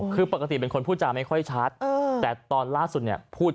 คือปกติเป็นคนพูดจารย์ไม่ค่อยชัดแต่ตอนล่าสุดพูดชัดแจ๋วเลย